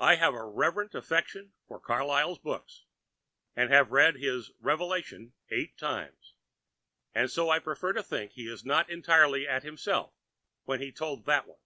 I have a reverent affection for Carlyle's books, and have read his 'Revelation' eight times; and so I prefer to think he was not entirely at himself when he told that one.